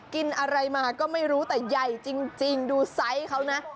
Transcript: กินอะไรมาก็ไม่รู้แต่ใหญ่จริงดูไซส์เขานะ